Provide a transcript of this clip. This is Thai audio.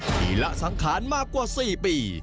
ที่ละสังขารมากกว่า๔ปี